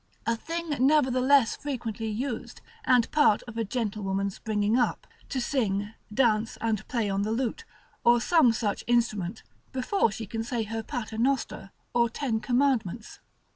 A thing nevertheless frequently used, and part of a gentlewoman's bringing up, to sing, dance, and play on the lute, or some such instrument, before she can say her paternoster, or ten commandments.